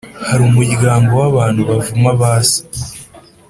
“hariho umuryango w’abantu bavuma ba se